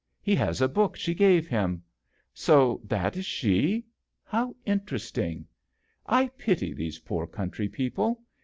He has a book she gave him. So that is she ? How interesting ! I pity these poor country people.